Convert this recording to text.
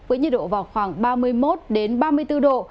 với nhiệt độ vào khoảng ba mươi một ba mươi bốn độ